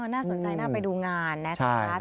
น่าสนใจน่าไปดูงานนะคะ